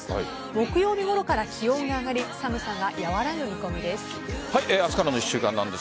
木曜日ごろから気温が上がり寒さが和らぐ見込みです。